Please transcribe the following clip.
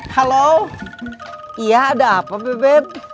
halo iya ada apa bibit